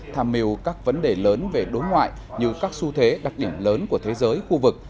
tham mưu các vấn đề lớn về đối ngoại như các xu thế đặc điểm lớn của thế giới khu vực